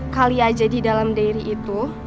kali aja di dalam diri itu